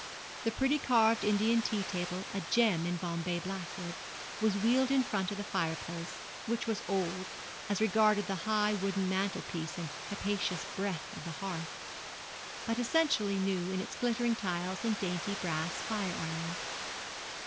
The pretty carved Indian tea table a gem in Bombay blackwood was wheeled in front of the fire place, which was old, as regarded the high wooden mantel piece and capacious breadth of the hearth, but essentially new in its glittering tiles and dainty brass fire irons.